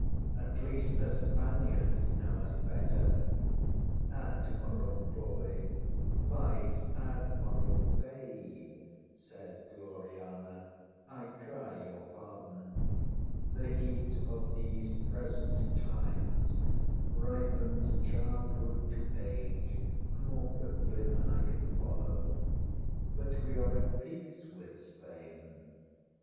ŌĆ£At least the Spaniards know us better. ŌĆØ ŌĆśŌĆ£Admiral Boy Vice Admiral Babe, ŌĆØ says Gloriana, ŌĆ£I cry your pardon. The heat of these present times ripens childhood to age more quickly than I can follow. But we are at peace with Spain.